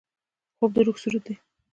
خوب د روح سرود دی